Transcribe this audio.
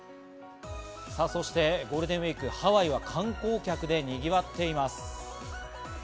そしてゴールデンウイーク、ハワイは観光客でにぎわっています。